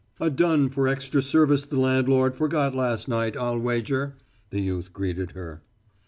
"A dun for extra service the landlord forgot last night, I'll wager," the youth greeted her.